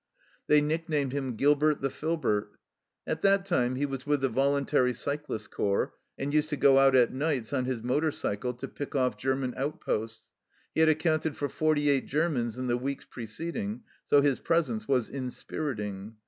They nicknamed him "Gilbert the Filbert." At that time he was with the Voluntary Cyclists Corps, and used to go out at nights on his motor cycle to pick off German outposts ; he had accounted for forty eight Germans in the weeks preceding, so his presence was inspiriting.